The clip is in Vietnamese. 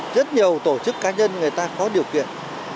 rất nhiều tổ chức cá nhân người ta có điều kiện